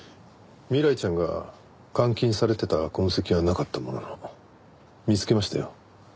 未来ちゃんが監禁されてた痕跡はなかったものの見つけましたよ